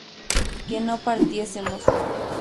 que no partiésemos